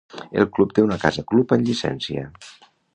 El club té una casa club amb llicència.